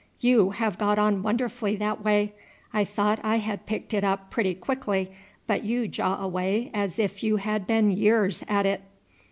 You have got on wonderfully that way. I thought I had picked it up pretty quickly, but you jaw away as if you had been years at it."